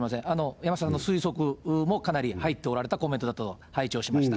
山下さんの推測もかなり入っておられたコメントだと拝聴いたしました。